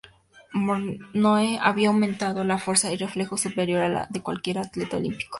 Monroe había aumentado la fuerza y reflejos superior a la de cualquier atleta olímpico.